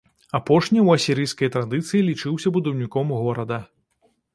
Апошні ў асірыйскай традыцыі лічыўся будаўніком горада.